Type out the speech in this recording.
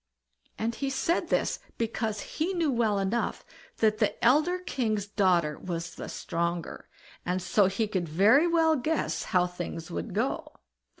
And he said this because he knew well enough that the elder king's daughter was the stronger, and so he could very well guess how things would go.